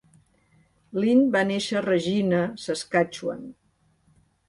Lind va néixer a Regina, Saskatchewan.